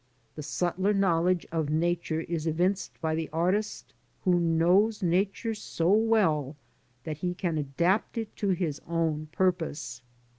The subtler knowledge of Nature is evinced by the artist who knows Nature so well that he can ad apt it to his own purpose.